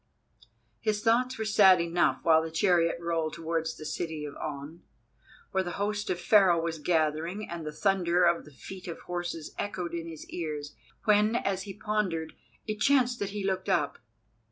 His thoughts were sad enough while the chariot rolled towards the city of On, where the host of Pharaoh was gathering, and the thunder of the feet of horses echoed in his ears, when, as he pondered, it chanced that he looked up.